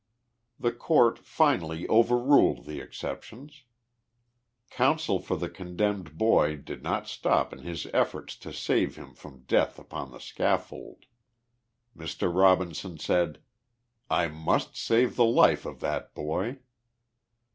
The court finally overruled the exceptions. Counsel for the condemned boy did not stop in his efforts to save him from death upon the scaffold. Mr. Robinson said, " I must save the life of that boy."